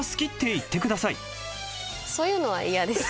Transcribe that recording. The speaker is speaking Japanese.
そういうのは嫌です。